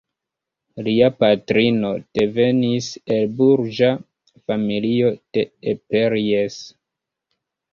Lia patrino devenis el burĝa familio de Eperjes.